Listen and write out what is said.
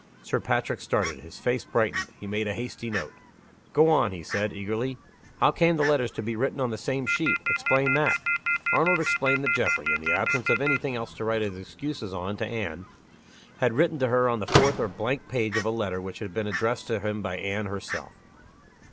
Sir Patrick started. His face brightened; he made a hasty note. "Go on," he said, eagerly. "How came the letters to be written on the same sheet? Explain that!" Arnold explained that Geoffrey, in the absence of any thing else to write his excuses on to Anne, had written to her on the fourth or blank page of a letter which had been addressed to him by Anne herself.